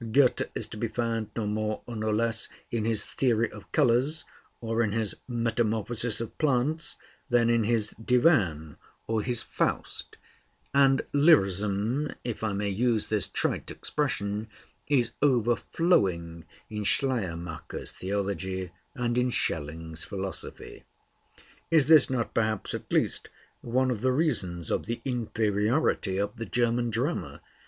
Goethe is to be found no more, or no less, in his 'Theory of Colors' or in his 'Metamorphosis of Plants,' than in his 'Divan' or his 'Faust'; and lyrism, if I may use this trite expression, "is overflowing" in Schleiermacher's theology and in Schelling's philosophy. Is this not perhaps at least one of the reasons of the inferiority of the German drama?